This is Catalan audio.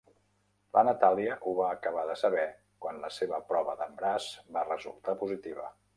La Natàlia ho va acabar de saber quan la seva prova d'embaràs va resultar positiva.